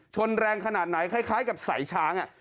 ชนแรงขนาดไหนคล้ายกับสายช้าง